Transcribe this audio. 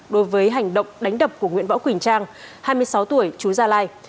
đối với hành động đánh đập của nguyễn võ quỳnh trang hai mươi sáu tuổi chú gia lai